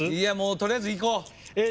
取りあえずいこう。